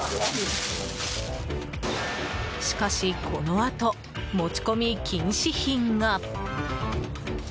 しかし、このあと持ち込み禁止品が。